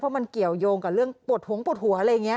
มันเกี่ยวยงกับเรื่องปวดหัวปวดหัวอะไรอย่างนี้